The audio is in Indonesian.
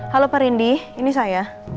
halo pak rindy ini saya